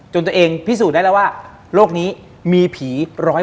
ตัวเองพิสูจน์ได้แล้วว่าโลกนี้มีผี๑๐๐